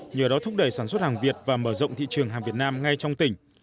nhờ đó thúc đẩy sản xuất hàng việt và mở rộng thị trường hàng việt nam ngay trong tỉnh